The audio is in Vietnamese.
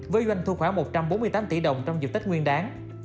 với doanh thu khoảng một trăm bốn mươi tám tỷ đồng trong dịp tết nguyên đáng